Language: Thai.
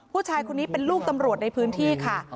ผู้ชายคนนี้เป็นลูกตำรวจในพื้นที่ค่ะ